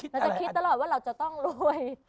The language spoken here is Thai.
เราจะคิดตลอดว่าเราจะต้องรวย